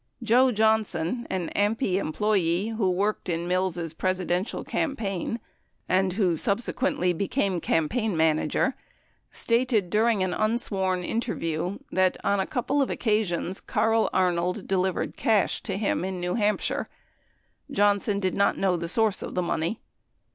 Joe Johnson, an AMPI em ployee who worked in Mills' Presidential campaign and who sub sequently became campaign manager, stated during an unsworn in terview that, on a couple of occasions, Carl Arnold delivered cash to him in New Hampshire. Johnson did not know the source of the money.